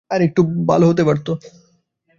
আরেকটু ভালো হতে পারত।